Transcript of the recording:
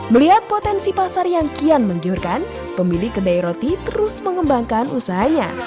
melihat potensi pasar yang kian menggiurkan pemilik kedai roti terus mengembangkan usahanya